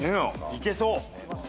いけそう？